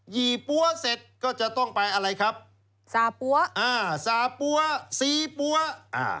ี่ปั้วเสร็จก็จะต้องไปอะไรครับสาปั๊วอ่าสาปั้วซีปั้วอ่า